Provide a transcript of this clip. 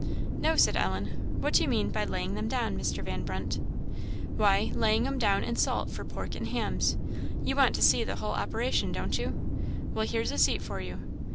"No," said Ellen. "What do you mean by 'laying them down,' Mr. Van Brunt?" "Why, laying 'em down in salt for pork and hams. You want to see the whole operation, don't you? Well, here's a seat for you.